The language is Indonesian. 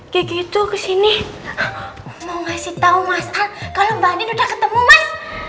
gigi tuh kesini mau ngasih tau mas al kalau mbak andin udah ketemu mas